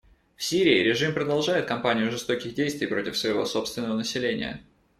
В Сирии режим продолжает кампанию жестоких действий против своего собственного населения.